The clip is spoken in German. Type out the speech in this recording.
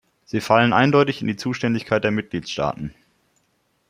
Sie fallen eindeutig in die Zuständigkeit der Mitgliedstaaten.